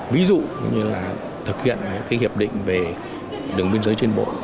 ví dụ như là thực hiện cái hiệp định về đường biên giới trên bộ